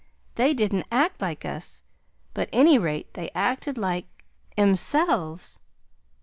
"They didn't act like us, but 't any rate they acted like 'emselves!